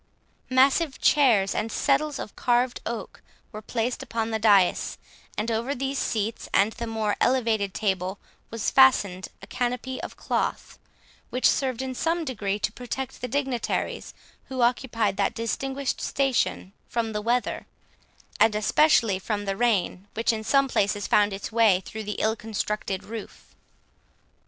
Massive chairs and settles of carved oak were placed upon the dais, and over these seats and the more elevated table was fastened a canopy of cloth, which served in some degree to protect the dignitaries who occupied that distinguished station from the weather, and especially from the rain, which in some places found its way through the ill constructed roof.